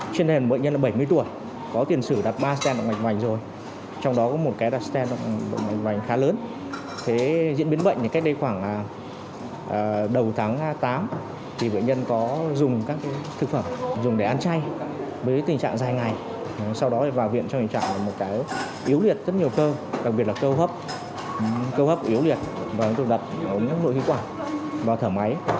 cô hấp yếu liệt và được đặt vào nhóm nội khí quả và thở máy